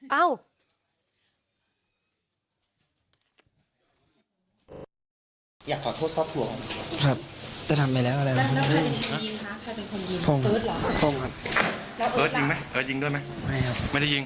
อยากขอโทษครับแต่ทำไมแล้วเอิร์ทยิงด้วยไหมไม่ได้ยิง